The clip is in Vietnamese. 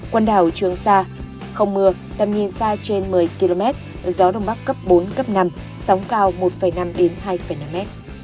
quần đảo trường sa không mưa tầm nhìn xa trên một mươi km gió đông bắc đến đông cấp bốn cấp năm sóng cao một năm hai năm m